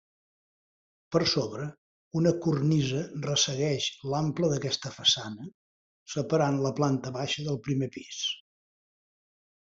Per sobre, una cornisa ressegueix l'ample d'aquesta façana, separant la planta baixa del primer pis.